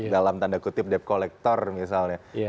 dalam tanda kutip debt collector misalnya